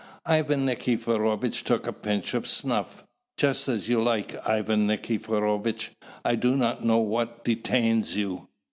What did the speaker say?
Ivan Nikiforovitch took a pinch of snuff. "Just as you like, Ivan Nikiforovitch. I do not know what detains you."